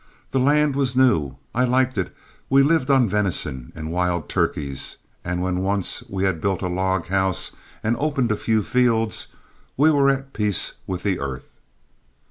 The land was new; I liked it; we lived on venison and wild turkeys, and when once we had built a log house and opened a few fields, we were at peace with the earth.